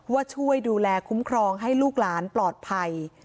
ช่วยดูแลคุ้มครองให้ลูกหลานปลอดภัย